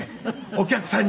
お客さんに。